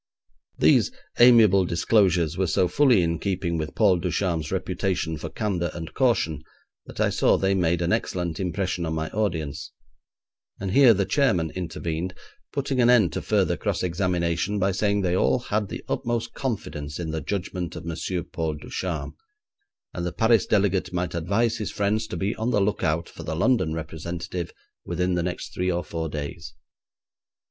These amiable disclosures were so fully in keeping with Paul Ducharme's reputation for candour and caution that I saw they made an excellent impression on my audience, and here the chairman intervened, putting an end to further cross examination by saying they all had the utmost confidence in the judgment of Monsieur Paul Ducharme, and the Paris delegate might advise his friends to be on the lookout for the London representative within the next three or four days.